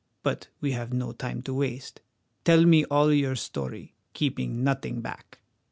But we have no time to waste. Tell me all your story, keeping nothing back."